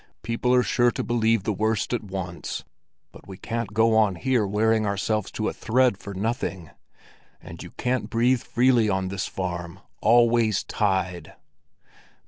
"People are sure to believe the worst at once. But we can't go on here wearing ourselves to a thread for nothing. And you can't breathe freely on this farm—always tied!"